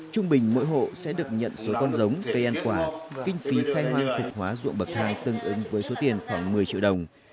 trung bình mỗi hộ sẽ được nhận số con giống cây ăn quả kinh phí khanh phục hóa ruộng bậc thang tương ứng với số tiền khoảng một mươi triệu đồng